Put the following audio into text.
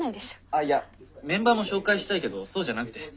あっいやメンバーも紹介したいけどそうじゃなくて。